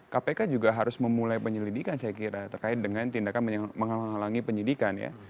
kpk juga harus memulai penyelidikan saya kira terkait dengan tindakan menghalangi penyidikan ya